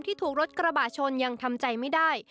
ถูกรถกระบะชนยังทำใจไม่ได้